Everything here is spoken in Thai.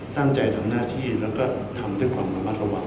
ตั้งใจทำหน้าที่แล้วก็ทำด้วยความระมัดระวัง